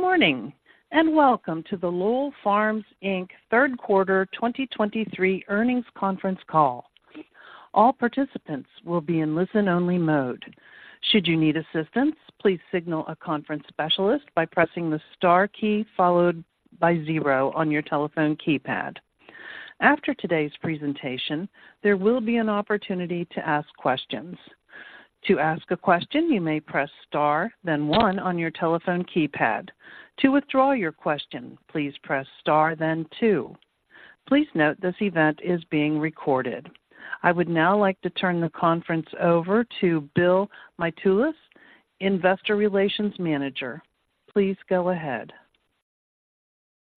Good morning, and welcome to the Lowell Farms Inc. third quarter 2023 earnings conference call. All participants will be in listen-only mode. Should you need assistance, please signal a conference specialist by pressing the star key followed by zero on your telephone keypad. After today's presentation, there will be an opportunity to ask questions. To ask a question, you may press star then one on your telephone keypad. To withdraw your question, please press star then two. Please note, this event is being recorded. I would now like to turn the conference over to Bill Mitoulas, Investor Relations Manager. Please go ahead.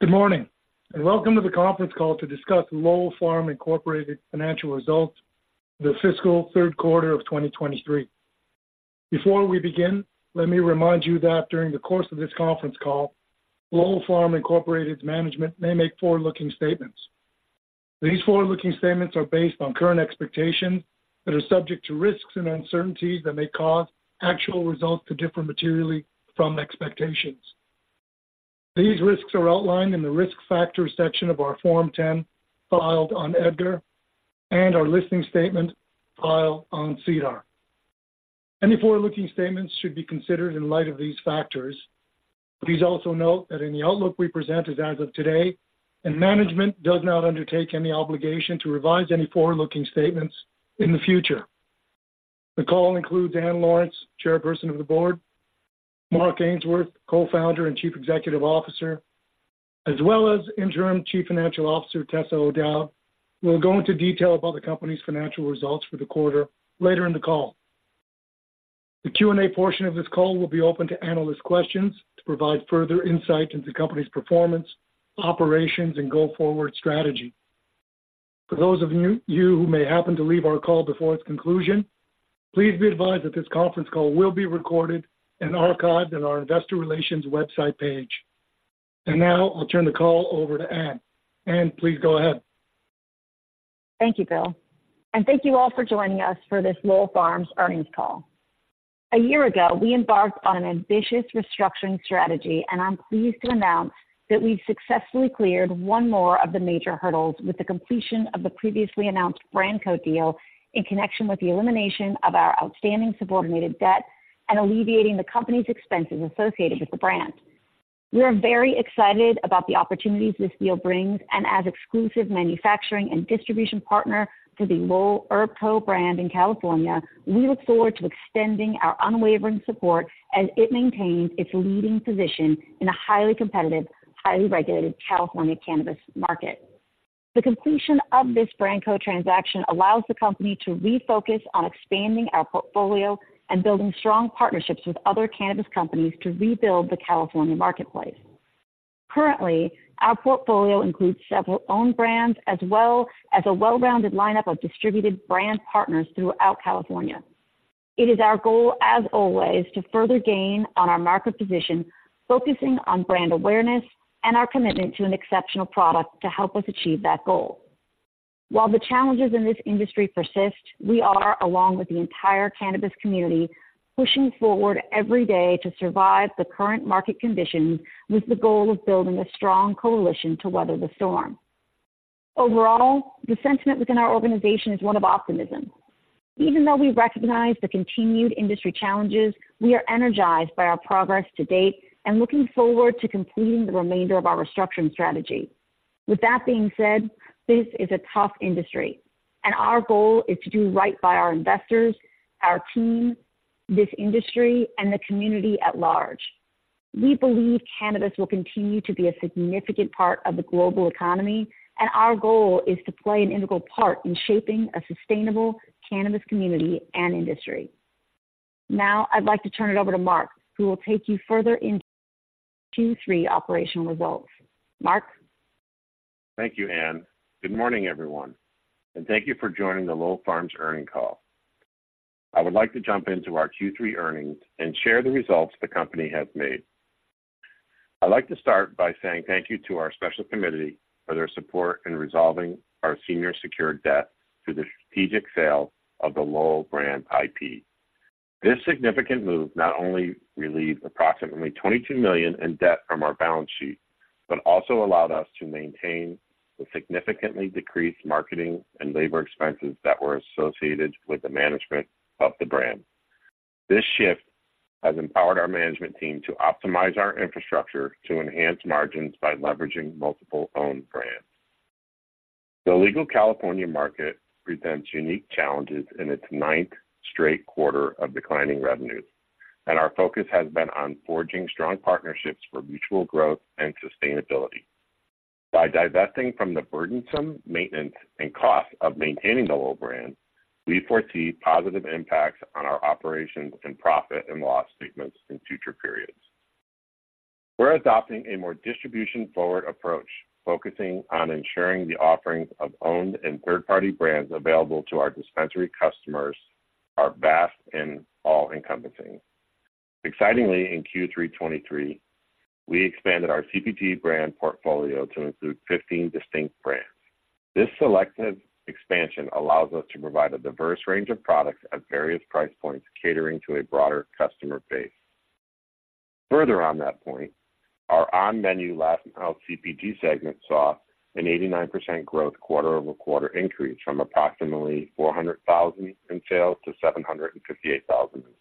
Good morning, and welcome to the conference call to discuss Lowell Farms Inc. financial results, the fiscal third quarter of 2023. Before we begin, let me remind you that during the course of this conference call, Lowell Farms Inc.'s management may make forward-looking statements. These forward-looking statements are based on current expectations that are subject to risks and uncertainties that may cause actual results to differ materially from expectations. These risks are outlined in the Risk Factors section of our Form 10, filed on EDGAR, and our listing statement filed on SEDAR. Any forward-looking statements should be considered in light of these factors. Please also note that any outlook we present is as of today, and management does not undertake any obligation to revise any forward-looking statements in the future. The call includes Ann Lawrence, Chairperson of the Board, Mark Ainsworth, Co-Founder and Chief Executive Officer, as well as Interim Chief Financial Officer, Tessa O'Dowd, who will go into detail about the company's financial results for the quarter later in the call. The Q&A portion of this call will be open to analyst questions to provide further insight into the company's performance, operations, and go-forward strategy. For those of you who may happen to leave our call before its conclusion, please be advised that this conference call will be recorded and archived in our investor relations website page. And now I'll turn the call over to Ann. Ann, please go ahead. Thank you, Bill, and thank you all for joining us for this Lowell Farms earnings call. A year ago, we embarked on an ambitious restructuring strategy, and I'm pleased to announce that we've successfully cleared one more of the major hurdles with the completion of the previously announced BrandCo deal in connection with the elimination of our outstanding subordinated debt and alleviating the company's expenses associated with the brand. We are very excited about the opportunities this deal brings, and as exclusive manufacturing and distribution partner to the Lowell Herb Co. brand in California, we look forward to extending our unwavering support as it maintains its leading position in a highly competitive, highly regulated California cannabis market. The completion of this BrandCo transaction allows the company to refocus on expanding our portfolio and building strong partnerships with other cannabis companies to rebuild the California marketplace. Currently, our portfolio includes several own brands as well as a well-rounded lineup of distributed brand partners throughout California. It is our goal, as always, to further gain on our market position, focusing on brand awareness and our commitment to an exceptional product to help us achieve that goal. While the challenges in this industry persist, we are, along with the entire cannabis community, pushing forward every day to survive the current market conditions with the goal of building a strong coalition to weather the storm. Overall, the sentiment within our organization is one of optimism. Even though we recognize the continued industry challenges, we are energized by our progress to date and looking forward to completing the remainder of our restructuring strategy. With that being said, this is a tough industry, and our goal is to do right by our investors, our team, this industry, and the community at large. We believe cannabis will continue to be a significant part of the global economy, and our goal is to play an integral part in shaping a sustainable cannabis community and industry. Now, I'd like to turn it over to Mark, who will take you further into Q3 operational results. Mark? Thank you, Ann. Good morning, everyone, and thank you for joining the Lowell Farms earnings call. I would like to jump into our Q3 earnings and share the results the company has made. I'd like to start by saying thank you to our special committee for their support in resolving our senior secured debt through the strategic sale of the Lowell brand IP. This significant move not only relieved approximately $22 million in debt from our balance sheet, but also allowed us to maintain the significantly decreased marketing and labor expenses that were associated with the management of the brand. This shift has empowered our management team to optimize our infrastructure to enhance margins by leveraging multiple owned brands. The legal California market presents unique challenges in its ninth straight quarter of declining revenues, and our focus has been on forging strong partnerships for mutual growth and sustainability. By divesting from the burdensome maintenance and cost of maintaining the Lowell brand, we foresee positive impacts on our operations and profit and loss statements in future periods. We're adopting a more distribution-forward approach, focusing on ensuring the offerings of owned and third-party brands available to our dispensary customers are vast and all-encompassing. Excitingly, in Q3 2023, we expanded our CPG brand portfolio to include 15 distinct brands.... This selective expansion allows us to provide a diverse range of products at various price points, catering to a broader customer base. Further on that point, our on-menu House Weed CPG segment saw an 89% growth quarter-over-quarter increase from approximately $400,000 in sales to $758,000 in sales.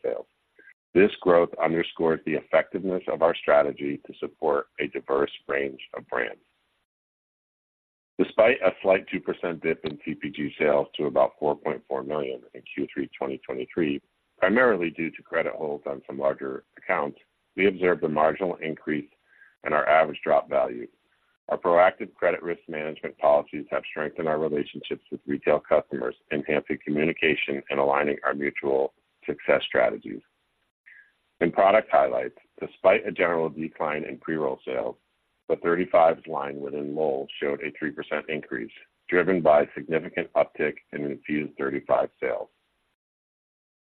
This growth underscores the effectiveness of our strategy to support a diverse range of brands. Despite a slight 2% dip in CPG sales to about $4.4 million in Q3 2023, primarily due to credit holds on some larger accounts, we observed a marginal increase in our average drop value. Our proactive credit risk management policies have strengthened our relationships with retail customers, enhancing communication and aligning our mutual success strategies. In product highlights, despite a general decline in pre-roll sales, the 35s line within Lowell showed a 3% increase, driven by significant uptick in infused 35 sales.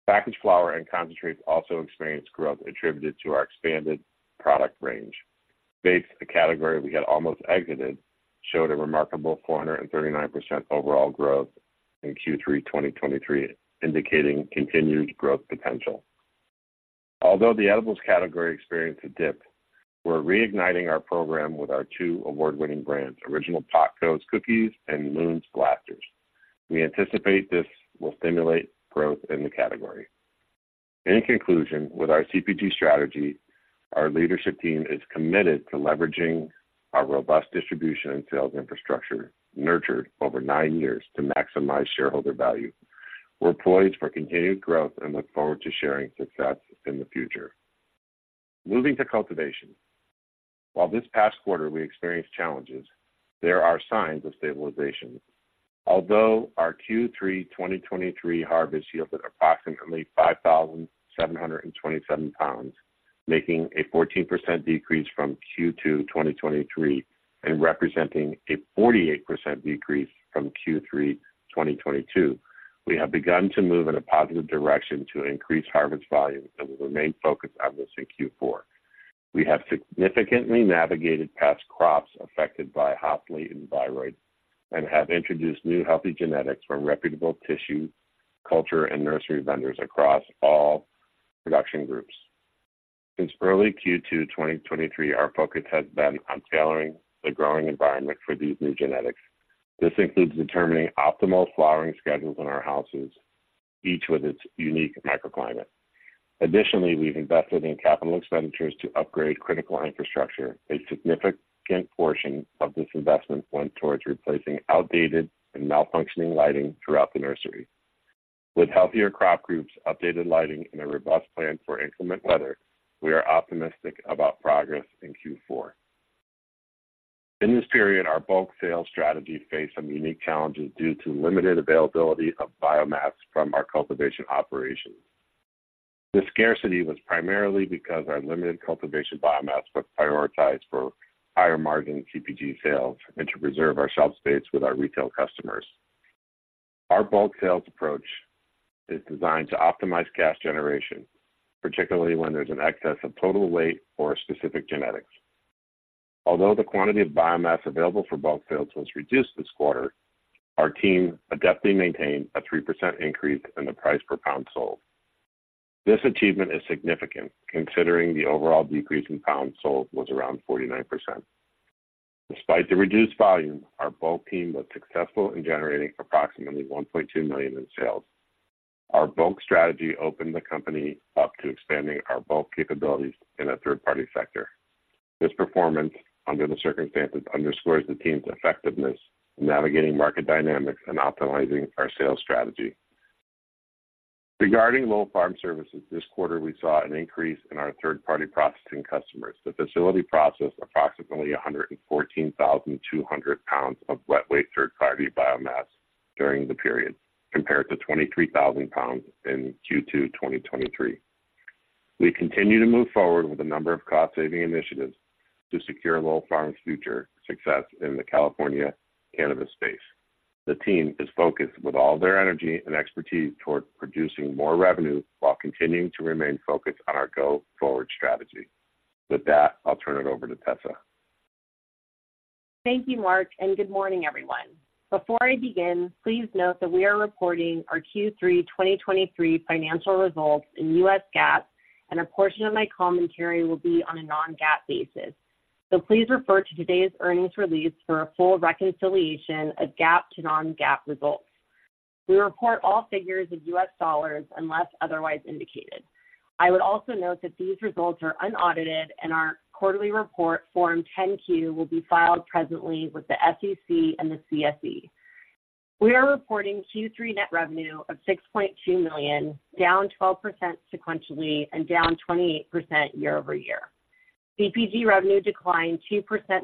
Packaged flower and concentrates also experienced growth attributed to our expanded product range. Vapes, a category we had almost exited, showed a remarkable 439% overall growth in Q3 2023, indicating continued growth potential. Although the edibles category experienced a dip, we're reigniting our program with our two award-winning brands, Original Pot Co.'s cookies and Moon blunts. We anticipate this will stimulate growth in the category. In conclusion, with our CPG strategy, our leadership team is committed to leveraging our robust distribution and sales infrastructure, nurtured over nine years, to maximize shareholder value. We're poised for continued growth and look forward to sharing success in the future. Moving to cultivation. While this past quarter we experienced challenges, there are signs of stabilization. Although our Q3 2023 harvest yielded approximately 5,727 pounds, making a 14% decrease from Q2 2023 and representing a 48% decrease from Q3 2022, we have begun to move in a positive direction to increase harvest volumes and will remain focused on this in Q4. We have significantly navigated past crops affected by Hop Latent Viroid, and have introduced new healthy genetics from reputable tissue culture, and nursery vendors across all production groups. Since early Q2 2023, our focus has been on tailoring the growing environment for these new genetics. This includes determining optimal flowering schedules in our houses, each with its unique microclimate. Additionally, we've invested in capital expenditures to upgrade critical infrastructure. A significant portion of this investment went towards replacing outdated and malfunctioning lighting throughout the nursery. With healthier crop groups, updated lighting, and a robust plan for inclement weather, we are optimistic about progress in Q4. In this period, our bulk sales strategy faced some unique challenges due to limited availability of biomass from our cultivation operations. This scarcity was primarily because our limited cultivation biomass was prioritized for higher-margin CPG sales and to preserve our shelf space with our retail customers. Our bulk sales approach is designed to optimize cash generation, particularly when there's an excess of total weight or specific genetics. Although the quantity of biomass available for bulk sales was reduced this quarter, our team adeptly maintained a 3% increase in the price per pound sold. This achievement is significant, considering the overall decrease in pounds sold was around 49%. Despite the reduced volume, our bulk team was successful in generating approximately $1.2 million in sales. Our bulk strategy opened the company up to expanding our bulk capabilities in a third-party sector. This performance, under the circumstances, underscores the team's effectiveness in navigating market dynamics and optimizing our sales strategy. Regarding Lowell Farm Services, this quarter we saw an increase in our third-party processing customers. The facility processed approximately 114,200 pounds of wet weight third-party biomass during the period, compared to 23,000 pounds in Q2 2023. We continue to move forward with a number of cost-saving initiatives to secure Lowell Farms' future success in the California cannabis space. The team is focused with all their energy and expertise toward producing more revenue, while continuing to remain focused on our go-forward strategy. With that, I'll turn it over to Tessa. Thank you, Mark, and good morning, everyone. Before I begin, please note that we are reporting our Q3 2023 financial results in US GAAP, and a portion of my commentary will be on a non-GAAP basis. So please refer to today's earnings release for a full reconciliation of GAAP to non-GAAP results. We report all figures in US dollars unless otherwise indicated. I would also note that these results are unaudited, and our quarterly report, Form 10-Q, will be filed presently with the SEC and the CSE. We are reporting Q3 net revenue of $6.2 million, down 12% sequentially and down 28% year-over-year. CPG revenue declined 2%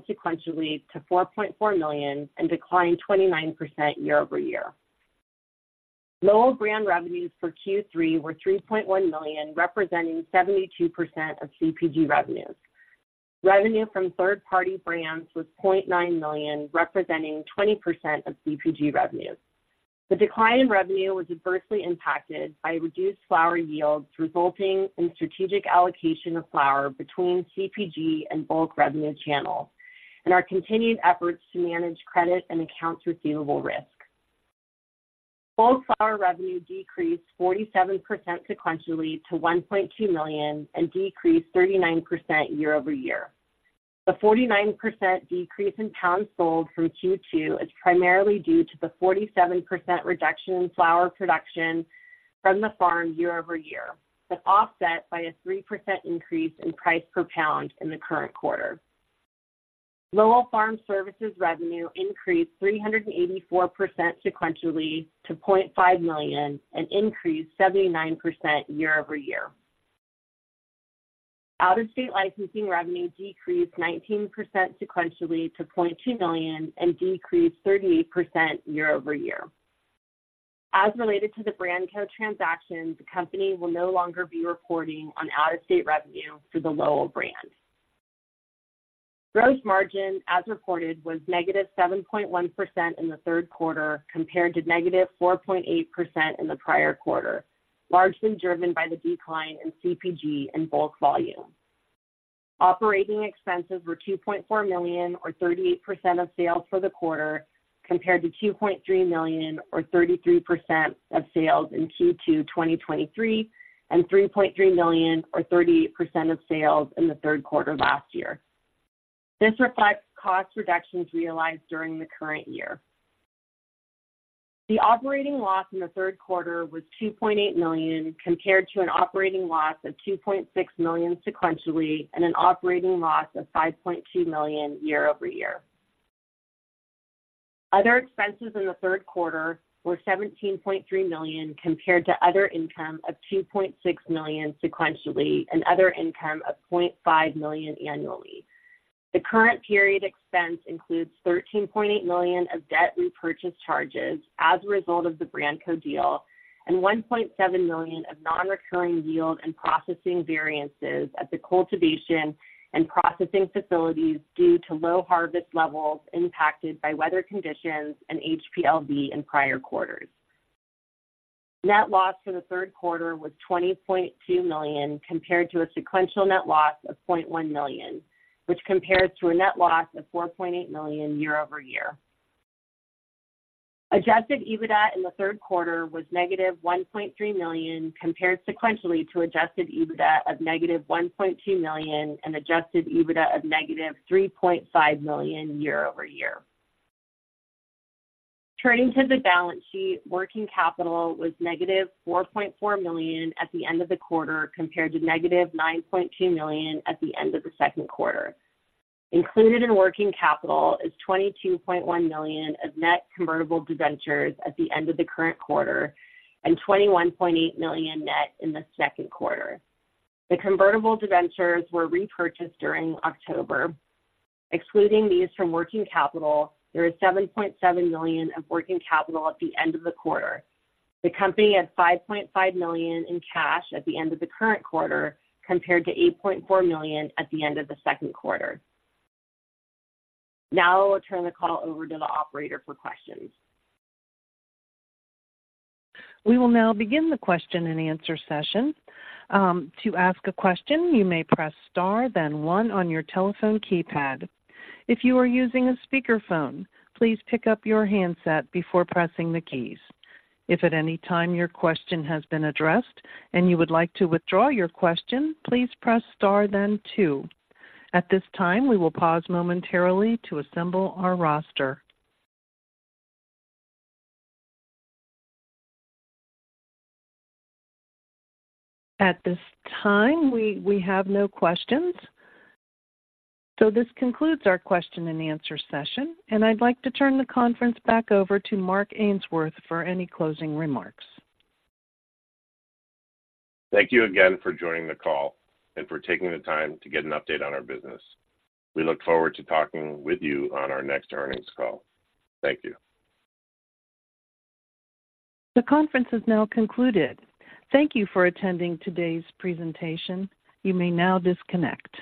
sequentially to $4.4 million, and declined 29% year-over-year. Lowell brand revenues for Q3 were $3.1 million, representing 72% of CPG revenues. Revenue from third-party brands was $0.9 million, representing 20% of CPG revenues. The decline in revenue was adversely impacted by reduced flower yields, resulting in strategic allocation of flower between CPG and bulk revenue channels and our continued efforts to manage credit and accounts receivable risk. Bulk flower revenue decreased 47% sequentially to $1.2 million and decreased 39% year-over-year. The 49% decrease in pounds sold from Q2 is primarily due to the 47% reduction in flower production from the farm year-over-year, but offset by a 3% increase in price per pound in the current quarter. Lowell Farm Services revenue increased 384% sequentially to $0.5 million and increased 79% year-over-year. Out-of-state licensing revenue decreased 19% sequentially to $0.2 million and decreased 38% year-over-year. As related to the BrandCo transaction, the company will no longer be reporting on out-of-state revenue for the Lowell brand. Gross margin, as reported, was -7.1% in the third quarter, compared to -4.8% in the prior quarter, largely driven by the decline in CPG and bulk volume. Operating expenses were $2.4 million, or 38% of sales for the quarter, compared to $2.3 million or 33% of sales in Q2 2023, and $3.3 million or 38% of sales in the third quarter last year. This reflects cost reductions realized during the current year. The operating loss in the third quarter was $2.8 million, compared to an operating loss of $2.6 million sequentially and an operating loss of $5.2 million year-over-year. Other expenses in the third quarter were $17.3 million, compared to other income of $2.6 million sequentially and other income of $0.5 million annually. The current period expense includes $13.8 million of debt repurchase charges as a result of the BrandCo deal and $1.7 million of non-recurring yield and processing variances at the cultivation and processing facilities due to low harvest levels impacted by weather conditions and HpLVd in prior quarters. Net loss for the third quarter was $20.2 million, compared to a sequential net loss of $0.1 million, which compares to a net loss of $4.8 million year-over-year. Adjusted EBITDA in the third quarter was -$1.3 million, compared sequentially to adjusted EBITDA of -$1.2 million and adjusted EBITDA of -$3.5 million year-over-year. Turning to the balance sheet, working capital was -$4.4 million at the end of the quarter, compared to -$9.2 million at the end of the second quarter. Included in working capital is $22.1 million of net convertible debentures at the end of the current quarter and $21.8 million net in the second quarter. The convertible debentures were repurchased during October. Excluding these from working capital, there is $7.7 million of working capital at the end of the quarter. The company had $5.5 million in cash at the end of the current quarter, compared to $8.4 million at the end of the second quarter. Now I will turn the call over to the operator for questions. We will now begin the question and answer session. To ask a question, you may press star, then one on your telephone keypad. If you are using a speakerphone, please pick up your handset before pressing the keys. If at any time your question has been addressed and you would like to withdraw your question, please press star, then two. At this time, we will pause momentarily to assemble our roster. At this time, we have no questions. This concludes our question and answer session, and I'd like to turn the conference back over to Mark Ainsworth for any closing remarks. Thank you again for joining the call and for taking the time to get an update on our business. We look forward to talking with you on our next earnings call. Thank you. The conference is now concluded. Thank you for attending today's presentation. You may now disconnect.